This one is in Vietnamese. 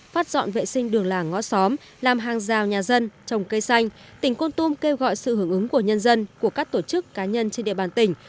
phát dọn vệ sinh đường làng ngõ xóm làm hàng rào nhà dân trồng cây xanh tỉnh con tum kêu gọi sự hưởng ứng của nhân dân của các tổ chức cá nhân trên địa bàn tỉnh